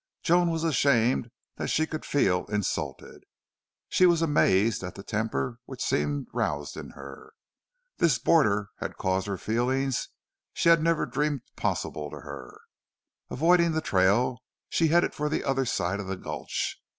Joan was ashamed that she could feel insulted. She was amazed at the temper which seemed roused in her. This border had caused her feelings she had never dreamed possible to her. Avoiding the trail, she headed for the other side of the gulch.